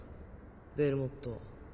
ベルモット。